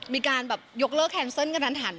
มีการแบบยกเลิกแคนเซิลกันทัน